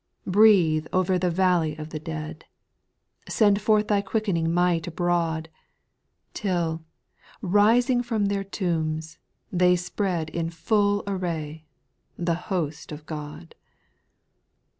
2. Breathe o'er the valley of the dead, Send forth Thy quickening might abroad, Till, rising from their tombs, they spread In full array, — the host of God